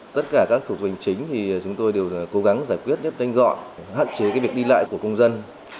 tất cả các thủ tục hành chính chúng tôi đều cố gắng giải quyết nhất danh gọn hạn chế việc đi lại của công dân